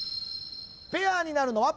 ペアになるのは？